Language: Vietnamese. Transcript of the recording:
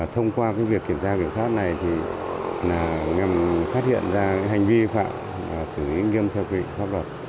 thông qua việc kiểm tra kiểm soát này phát hiện ra hành vi vi phạm xử lý nghiêm theo vị pháp luật